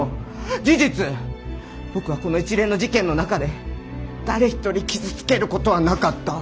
事実僕はこの一連の事件の中で誰一人傷つけることはなかった。